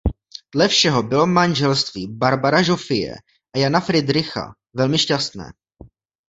Dle všeho bylo manželství Barbara Žofie a Jana Fridricha velmi šťastné.